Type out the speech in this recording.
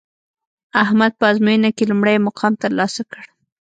احمد په ازموینه کې لومړی مقام ترلاسه کړ